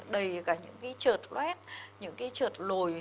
đầy cả những cái trợt loét những cái trợt lồi